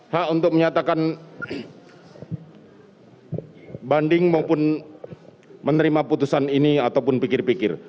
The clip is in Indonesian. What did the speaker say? hak untuk menyatakan banding maupun menerima putusan ini ataupun pikir pikir